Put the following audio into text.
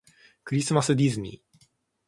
クリスマスディズニー